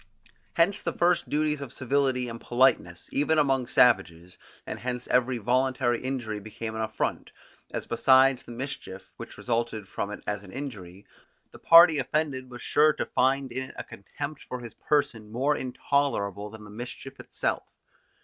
Hence the first duties of civility and politeness, even among savages; and hence every voluntary injury became an affront, as besides the mischief, which resulted from it as an injury, the party offended was sure to find in it a contempt for his person more intolerable than the mischief itself.